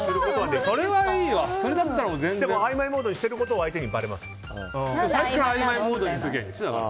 でも、あいまいモードにしてることは相手にばれます。